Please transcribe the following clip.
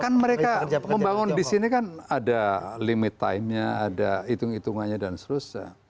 kan mereka membangun di sini kan ada limit timenya ada hitung hitungannya dan seterusnya